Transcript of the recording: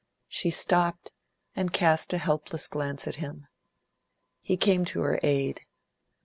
She stopped, and cast a helpless glance at him. He came to her aid.